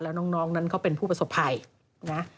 แล้วน้องนั้นเขาเป็นผู้ประสบภัยนะ